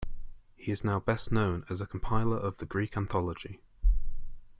He is now best known as a compiler of the Greek Anthology.